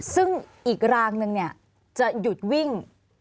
ซึ่งอีกรางนึงจะหยุดวิ่ง